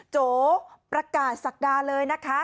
โจประกาศศักดาเลยนะคะ